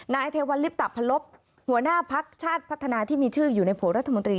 เทวัลลิปตะพลบหัวหน้าพักชาติพัฒนาที่มีชื่ออยู่ในผัวรัฐมนตรี